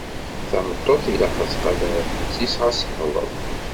Tameṭṭut ilaq ad tqader argaz-is ɣas yeɣleḍ.